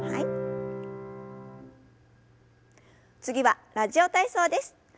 次は「ラジオ体操」です。